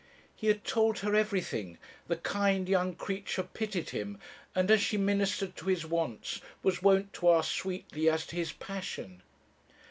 He had told her everything; the kind young creature pitied him, and as she ministered to his wants, was wont to ask sweetly as to his passion.